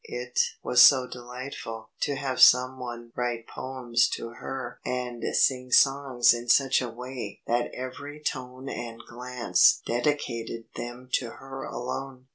It was so delightful to have some one write poems to her and sing songs in such a way that every tone and glance dedicated them to her alone.